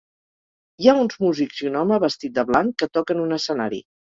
Hi ha uns músics i un home vestit de blanc que toca en un escenari.